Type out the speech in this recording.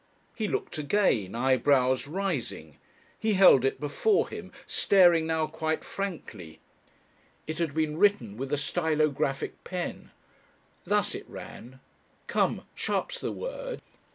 He looked again, eyebrows rising. He held it before him, staring now quite frankly. It had been written with a stylographic pen. Thus it ran: "_Come! Sharp's the word.